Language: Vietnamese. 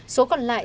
số còn lại